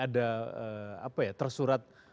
ada apa ya tersurat